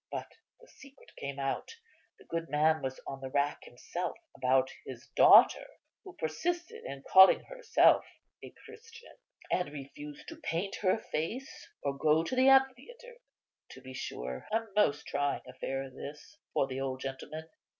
But the secret came out; the good man was on the rack himself about his daughter, who persisted in calling herself a Christian, and refused to paint her face or go to the amphitheatre. To be sure, a most trying affair this for the old gentleman.